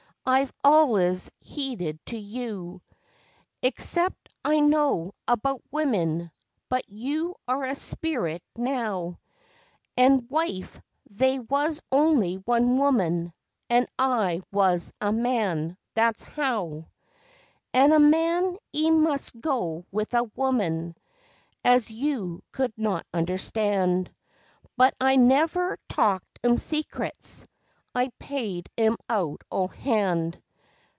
I've allus heeded to you, Excep' I know about women; but you are a spirit now; An', wife, they was only women, and I was a man. That's how. An' a man 'e must go with a woman, as you could not understand; But I never talked 'em secrets. I paid 'em out o' hand.